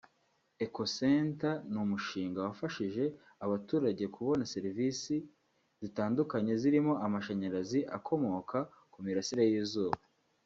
Ekocenter ni umushinga wafashije abaturage kubona serivisi zitandukanye zirimo amashanyarazi akomoka ku mirasire y’izuba